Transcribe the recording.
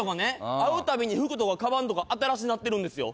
会うたびに服とかカバンとか新しなってるんですよ